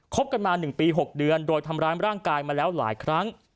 บกันมา๑ปี๖เดือนโดยทำร้ายร่างกายมาแล้วหลายครั้ง